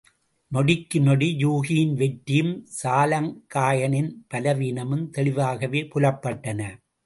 நொடிக்கு நொடி யூகியின் வெற்றியும் சாலங்காயனின் பலவீனமும் தெளிவாகவே புலப்பட்டன.